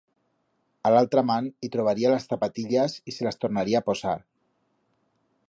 A l'altra man i trobaría las zapatillas y se las tornaría a posar.